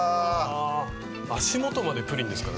足元までプリンですからね。